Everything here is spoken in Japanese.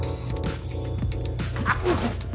あっ。